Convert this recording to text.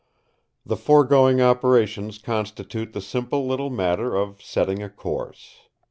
The foregoing operations constitute the simple little matter of setting a course.